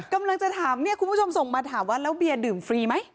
กำลังจะถามเนี่ยคุณผู้ชมส่งมาถามว่าแล้วเบียร์ดื่มฟรีไหม